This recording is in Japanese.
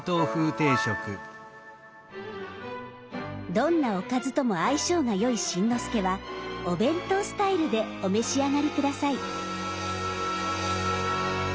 どんなおかずとも相性が良い新之助はお弁当スタイルでお召し上がり下さい。